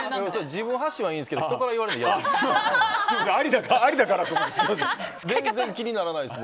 自分発信はいいですけど人からは嫌です。